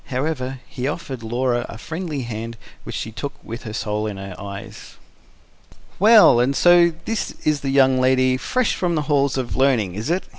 However he offered Laura a friendly hand which she took with her soul in her eyes. "Well, and so this is the young lady fresh from the halls of learning, is it?"